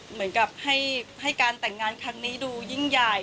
เหมือนกับให้การแต่งงานครั้งนี้ดูยิ่งใหญ่